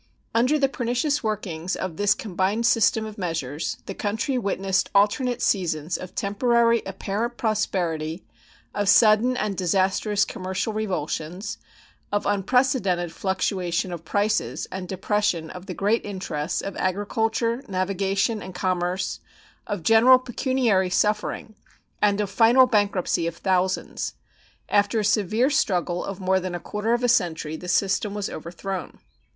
Under the pernicious workings of this combined system of measures the country witnessed alternate seasons of temporary apparent prosperity, of sudden and disastrous commercial revulsions, of unprecedented fluctuation of prices and depression of the great interests of agriculture, navigation, and commerce, of general pecuniary suffering, and of final bankruptcy of thousands. After a severe struggle of more than a quarter of a century, the system was overthrown.